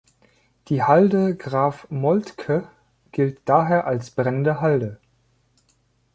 Die Halde Graf Moltke gilt daher als brennende Halde.